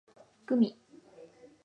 gumi